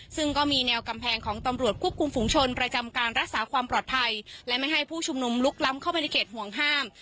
ซึ่งก็มีแนวกำแพงของตำรวจควบคุมฝุงชนประจำการรักษาความปลอดภัยและไม่ให้ผู้ชุมนุมลุกล้ำเข้าไปในเขตห่วงห้าม